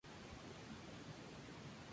Sólo habitaba la isla de Reunión.